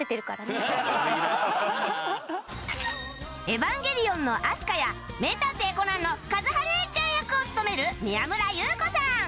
『エヴァンゲリオン』のアスカや『名探偵コナン』の和葉姉ちゃん役を務める宮村優子さん